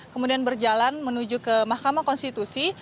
kemudian berjalan menuju ke mahkamah konstitusi